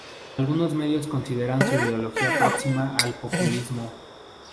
Algunos medios consideran su ideología próxima al populismo.